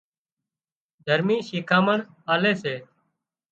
دهرمِي شِکامڻ آلي سي